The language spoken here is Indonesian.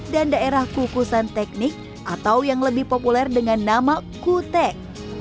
dan daerah kukusan teknik atau yang lebih populer dengan nama kutek